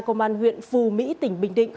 công an huyện phù mỹ tỉnh bình định